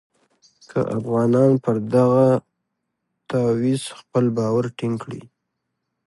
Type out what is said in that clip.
که افغانان پر دغه تعویض خپل باور ټینګ کړي.